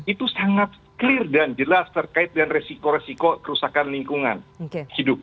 itu sangat clear dan jelas terkait dengan resiko resiko kerusakan lingkungan hidup